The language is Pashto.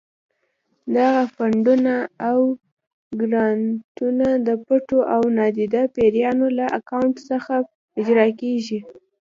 دغه فنډونه او ګرانټونه د پټو او نادیده پیریانو له اکاونټ څخه اجرا کېږي.